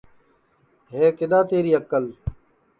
ہے کِدؔا تیری اکل